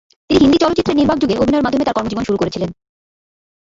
তিনি হিন্দি চলচ্চিত্রের নির্বাক যুগে অভিনয়ের মাধ্যমে তার কর্মজীবন শুরু করেছিলেন।